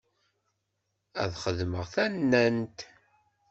Ad xedmeɣ tannant.